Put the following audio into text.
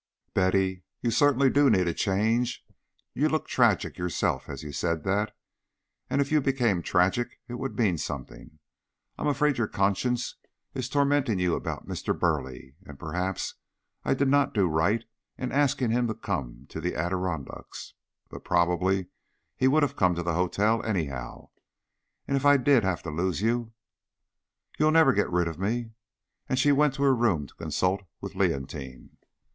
"Betty, you certainly do need a change. You looked tragic yourself as you said that; and if you became tragic it would mean something. I'm afraid your conscience is tormenting you about Mr. Burleigh, and perhaps I did not do right in asking him to come to the Adirondacks; but probably he would have come to the hotel, anyhow; and if I did have to lose you " "You'll never get rid of me." And she went to her room to consult with Leontine.